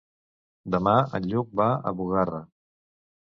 Demà en Lluc va a Bugarra.